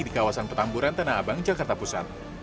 di kawasan petamburan tanah abang jakarta pusat